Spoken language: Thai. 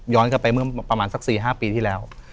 ย้อนกันไปประมาณสัก๔๕ปีที่แล้ว